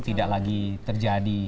tidak lagi terjadi